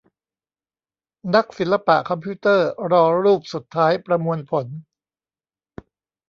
นักศิลปะคอมพิวเตอร์รอรูปสุดท้ายประมวลผล